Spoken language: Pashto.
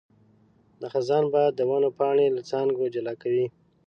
د خزان باد د ونو پاڼې له څانګو جلا کوي.